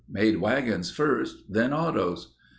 Made wagons first. Then autos.